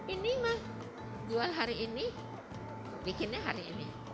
ini mah jual hari ini bikinnya hari ini